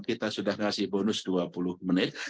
kita sudah ngasih bonus dua puluh menit